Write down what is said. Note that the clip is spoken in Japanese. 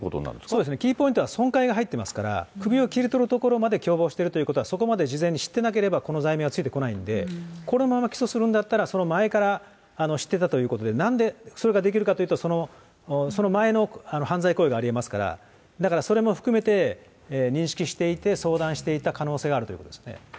そうですね、キーポイントは損壊が入ってますから、首を切り取るところまで共謀してるということは、そこまで事前に知ってなければこの罪名はついてこないんで、このまま起訴するんであったら、その前から知ってたということで、なんでそれができるかというと、その前の犯罪行為がありえますから、だからそれも含めて、認識していて、相談していた可能性があるということですね。